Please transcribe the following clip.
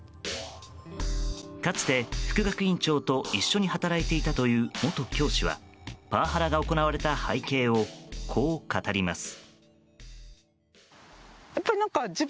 かつて副学院長と一緒に働いていたという元教師はパワハラが行われた背景をこう語ります。